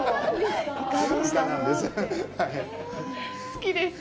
好きです！